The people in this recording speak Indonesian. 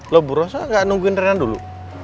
lo buros gak nungguin rena dulu